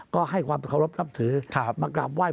ก็ให้ความขอบค์รับถือมากลับไหว้